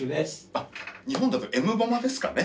あっ日本だとエムボマですかね。